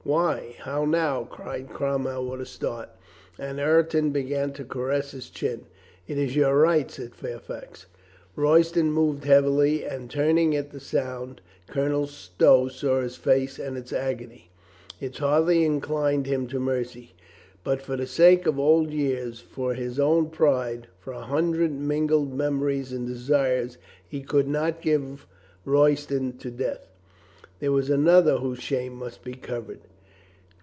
"Why, how now?" cried Cromwell with a start, and Ireton began to caress his chin. "It is your right," said Fairfax. Royston moved heavily and, turning at the sound, Colonel Stow saw his face and its agony. It hardly inclined him to mercy. But for the sake of old years, for his own pride, for a hundred mingled memories and desires, he could not give Royston to death. There was another whose shame must be covered.